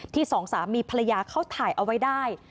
สองสามีภรรยาเขาถ่ายเอาไว้ได้